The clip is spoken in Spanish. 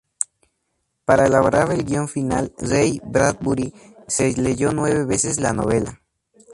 Para elaborar el guion final, Ray Bradbury se leyó nueve veces la novela.